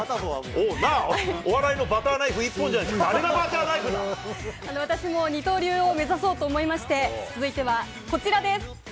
お笑いのバターナイフ１本じゃないですか、私も二刀流を目指そうと思いまして、続いてはこちらです。